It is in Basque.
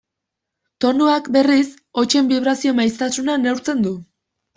Tonuak, berriz, hotsen bibrazio-maiztasuna neurtzen du.